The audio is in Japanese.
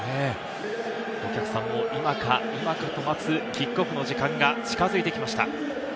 お客さんも今か今かと待つキックオフの時間が近づいてきました。